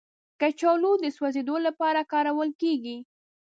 کچالو د سوځیدو لپاره کارول کېږي